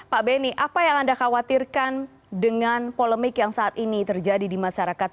pak beni apa yang anda khawatirkan dengan polemik yang saat ini terjadi di masyarakat